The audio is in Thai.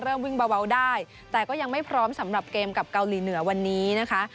เริ่มวิ่งเบาได้แต่ก็ยังไม่พร้อมสำหรับเกมกับเกาหลีเหนือวันนี้นะคะ